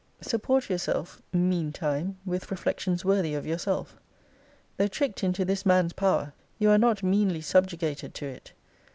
Support yourself, mean time, with reflections worthy of yourself. Though tricked into this man's power, you are not meanly subjugated to it.